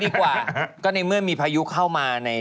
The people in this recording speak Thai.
พระพุทธรูปสูงเก้าชั้นหมายความว่าสูงเก้าชั้น